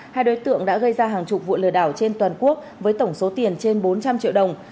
hai đối tượng đã gây ra hàng chục vụ lừa đảo trên toàn quốc với tổng số tiền trên bốn trăm linh triệu đồng